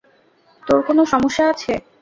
তোর কোন সমস্যা আছে?